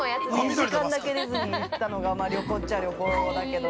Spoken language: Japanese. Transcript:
◆２時間だけディズニー行ったのが旅行っちゃ旅行だけど。